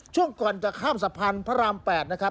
ช่วงก่อนจะข้ามสะพานพระราม๘นะครับ